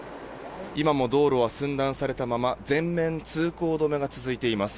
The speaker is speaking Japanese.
今も道路は寸断されたまま全面通行止めが続いています。